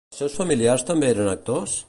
Els seus familiars també eren actors?